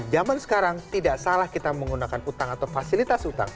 zaman sekarang tidak salah kita menggunakan utang atau fasilitas utang